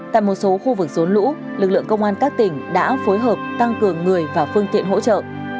tại một số khu vực rốn lũ lực lượng công an các tỉnh đã phối hợp tăng cường người và phương tiện hỗ trợ